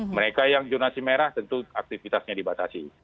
mereka yang jurnasi merah tentu aktivitasnya dibatasi